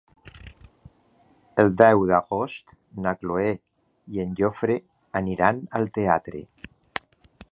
El deu d'agost na Cloè i en Jofre aniran al teatre.